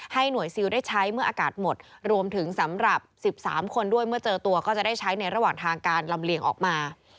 หน่วยซิลได้ใช้เมื่ออากาศหมดรวมถึงสำหรับ๑๓คนด้วยเมื่อเจอตัวก็จะได้ใช้ในระหว่างทางการลำเลียงออกมา